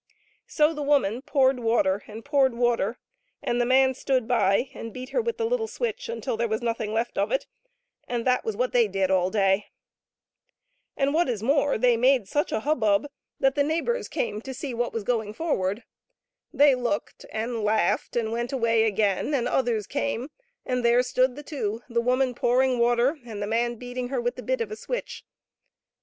So the woman poured water and poured water, and the man stood by and beat her with the little switch until there was nothing left of it, and that was what they did all day. And what is more, they made such a hubbub that the neighbors came HOW THE GOOD GIFTS WERE USED BY TWO. 133 to see what was going forward. They looked and laughed and went away again, and others came, and there stood the two — the woman pouring water and the man beating her with the bit of a switch.